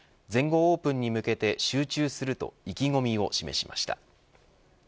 全豪オープンに向けて集中すると意気込みを示しました。